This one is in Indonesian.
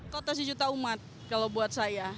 kota sejuta umat kalau buat saya